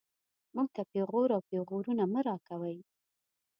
موږ ته پېغور او پېغورونه مه راکوئ